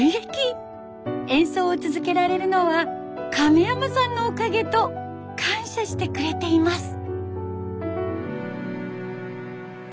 演奏を続けられるのは亀山さんのおかげと感謝してくれています。